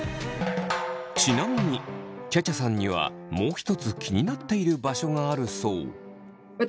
ちなみにちゃちゃさんにはもう一つ気になっている場所があるそう。